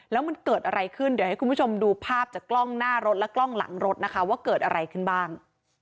แล้วมันเกิดอะไรขึ้นเดี๋ยวให้คุณผู้ชมดูภาพจากกล้องหน้ารถและกล้องหลังรถนะคะว่าเกิดอะไรขึ้นบ้าง